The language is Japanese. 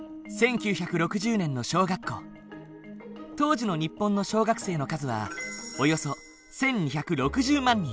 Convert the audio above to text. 当時の日本の小学生の数はおよそ１，２６０万人。